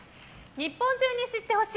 日本中に知って欲しい！